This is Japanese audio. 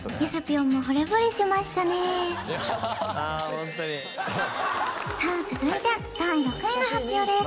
ホントにさあ続いて第６位の発表です